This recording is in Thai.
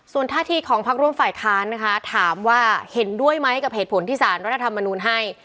ส่วนท่าทีของพักร่วมฝ่ายค้านนะคะถามว่าเห็นด้วยไหมกับเหตุผลที่สารรัฐธรรมนูลให้